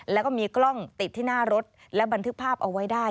แล้วก็มีกล้องติดที่หน้ารถและบันทึกภาพเอาไว้ได้